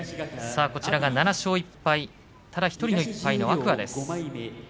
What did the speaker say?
７勝１敗、ただ１人の１敗は天空海です。